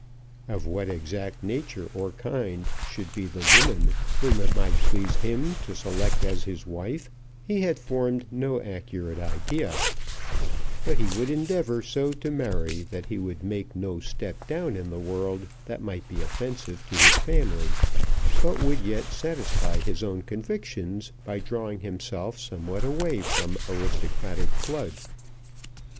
Of what exact nature or kind should be the woman whom it might please him to select as his wife, he had formed no accurate idea; but he would endeavour so to marry that he would make no step down in the world that might be offensive to his family, but would yet satisfy his own convictions by drawing himself somewhat away from aristocratic blood.